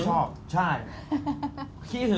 ผมจะไม่ชอบใช่